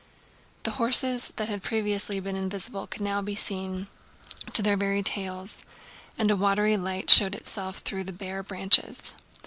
The horses that had previously been invisible could now be seen to their very tails, and a watery light showed itself through the bare branches.